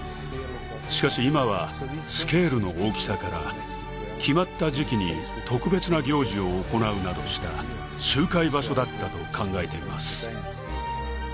しかし今はスケールの大きさから決まった時期に特別な行事を行うなどした集会場所だったと考えています